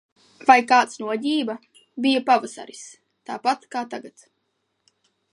Vai kāds noģība? Bija pavasaris. Tāpat kā tagad.